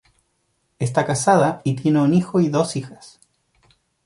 Está casada y tiene un hijo y dos hijas.